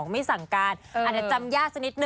มีอันที่ปรับวาลีดู